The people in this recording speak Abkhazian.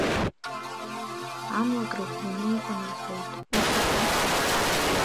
Амлакра ӷәӷәаны иҟан рҳәоит, усакәу?